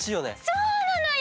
そうなのよ！